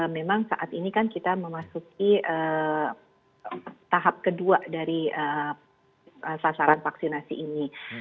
memang saat ini kan kita memasuki tahap kedua dari sasaran vaksinasi ini